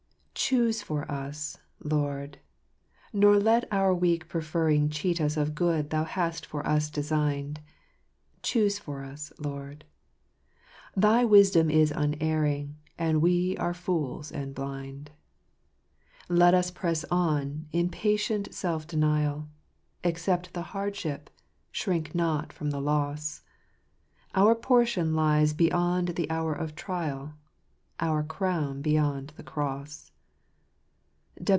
Choose for us, Lord, nor let our weak preferring Cheat us of good Thou hast for us designed : Choose for us, Lord ; Thy wisdom is unerring, And we are fools and blind. " Let us press on, in patient self denial. Accept the hardship, shrink not from the loss : Our portion lies beyond the hour of trial, Our crown beyond the cross.